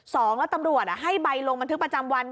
สองแล้วตำรวจให้ใบลงบันทึกประจำวัน